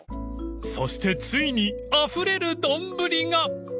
［そしてついにあふれる丼が］